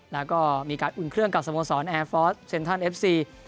แล้วก็มีการอุ่นเครื่องกับสโมสรแอร์ฟอร์สเซ็นทรัลเอฟซี